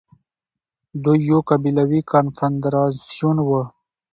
دوی يو قبيلوي کنفدراسيون وو